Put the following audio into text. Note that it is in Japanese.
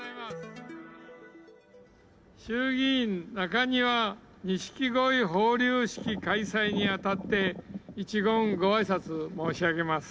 衆議院中庭錦鯉放流式開催にあたって、一言ごあいさつ申し上げます。